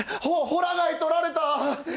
ほら貝、取られた。